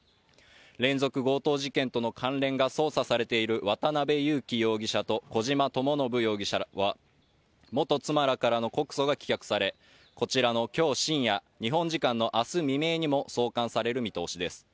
連続強盗事件との関連が捜査されている渡辺優樹容疑者と小島智信容疑者は元妻らからの告訴が棄却されこちらの今日深夜日本時間のあす未明にも送還される見通しです